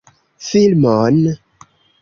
Filmon?